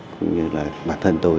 cũng như là bản thân tôi